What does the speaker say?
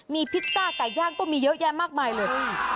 มีพิซซ่าไก่ย่างก็มีเยอะแยะมากมายเลย